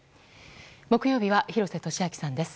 木曜日は廣瀬俊朗さんです。